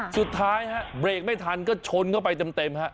สุดท้ายฮะเบรกไม่ทันก็ชนเข้าไปเต็มฮะ